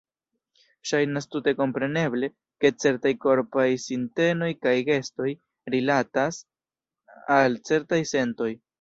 Ŝajnas tute kompreneble, ke certaj korpaj sintenoj kaj gestoj "rilatas" al certaj sentoj.